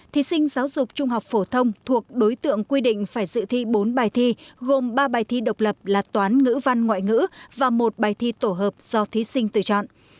thí sinh giáo dục trung học phổ thông thuộc đối tượng quy định phải dự thi bốn bài thi gồm ba bài thi độc lập là toán ngữ văn ngoại ngữ và một bài thi tổ hợp do thí sinh tự chọn